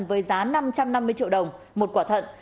với giá năm trăm năm mươi triệu đồng một quả thận